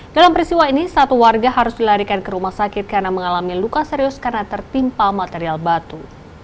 dalam peristiwa ini satu warga harus dilarikan ke rumah sakit karena mengalami luka serius karena tertimpa material batu